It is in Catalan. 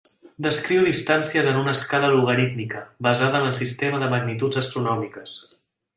Descriu distàncies en una escala logarítmica basades en el sistema de magnituds astronòmiques.